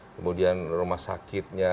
kemudian rumah sakitnya